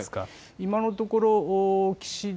今のところ岸田